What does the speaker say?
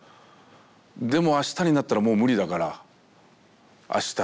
でもあしたになったらもう無理だからあした。